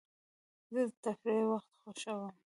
زه د تفریح وخت خوښوم.